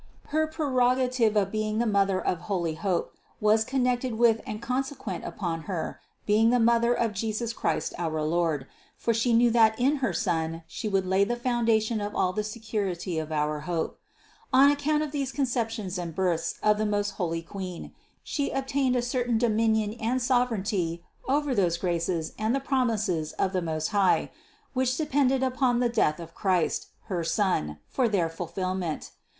Her prerogative of being the Mother of holy hope was connected with and consequent upon Her being the THE CONCEPTION 393 Mother of Jesus Christ our Lord, for She knew that in her Son She would lay the foundation of all the security of our hope. On account of these conceptions and births of the most holy Queen, She obtained a certain dominion and sovereignty over those graces and the promises of the Most High, which depended upon the death of Christ, her Son, for their fulfillment.